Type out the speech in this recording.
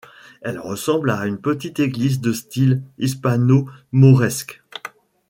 Elle ressemble à une petite église de style hispano-mauresque.